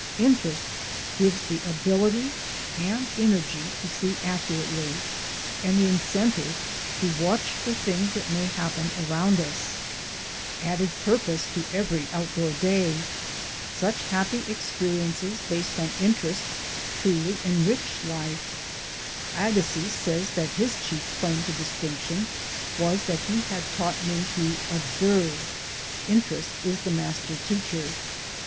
Interest gives the ability and energy to see ac curately and the incentive to watch for things that may happen around us; adds purpose to every out door day. Such happy experiences based on in terest truly enrich life. Agassiz said that his chief claim to distinction was that he had taught men to observe. Interest is the master teacher.